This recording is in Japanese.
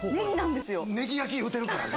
「ねぎ焼」言うてるからね。